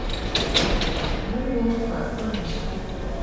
Ni wom faʼ be ni so.